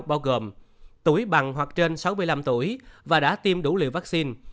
bao gồm tuổi bằng hoặc trên sáu mươi năm tuổi và đã tiêm đủ liều vaccine